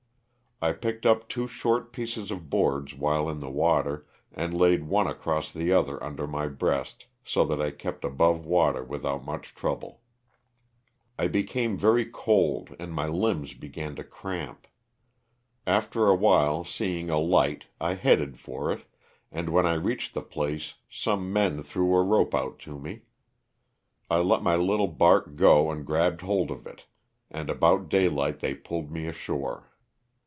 I picked up two short pieces of boards while in the water, and laid one across the other under my breast, so that I kept above water without much trouble. I became very cold and my limbs began to cramp. After a while seeing a light I headed for it, and when I reached the place some men threw a rope out to me; I let my little bark go and grabbed hold of it, and about daylight they pulled me ashore.